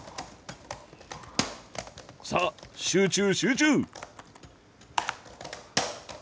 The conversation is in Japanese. さあ集中集中！